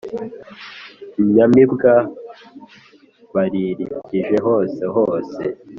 Inyamibwa baririkije hose hose